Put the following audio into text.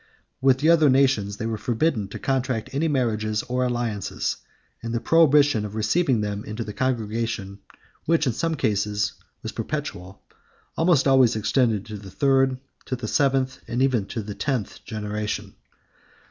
With the other nations they were forbidden to contract any marriages or alliances; and the prohibition of receiving them into the congregation, which in some cases was perpetual, almost always extended to the third, to the seventh, or even to the tenth generation.